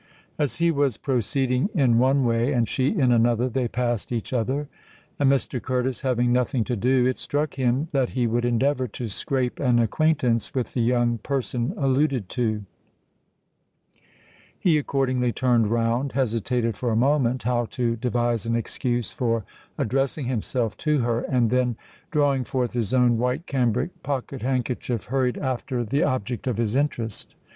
As he was proceeding in one way, and she in another, they passed each other; and, Mr. Curtis having nothing to do, it struck him that he would endeavour to scrape an acquaintance with the young person alluded to. He accordingly turned round—hesitated for a moment how to devise an excuse for addressing himself to her—and then, drawing forth his own white cambric pocket handkerchief, hurried after the object of his interest.